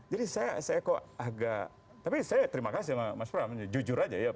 jadi saya kok agak tapi saya terima kasih mas pram jujur aja ya